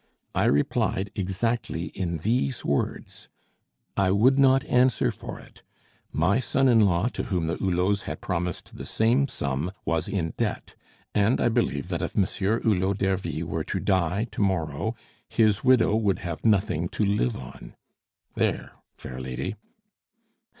I replied exactly in these words: 'I would not answer for it. My son in law, to whom the Hulots had promised the same sum, was in debt; and I believe that if Monsieur Hulot d'Ervy were to die to morrow, his widow would have nothing to live on.' There, fair lady."